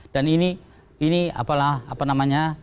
dan ini ini apalah apa namanya